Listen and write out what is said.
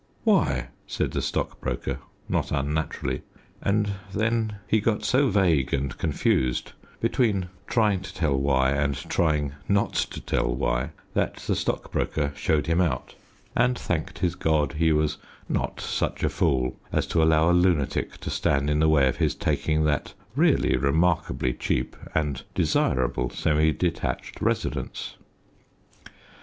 "Why?" said the stockbroker, not unnaturally. And then he got so vague and confused, between trying to tell why and trying not to tell why, that the stockbroker showed him out, and thanked his God he was not such a fool as to allow a lunatic to stand in the way of his taking that really remarkably cheap and desirable semi detached residence.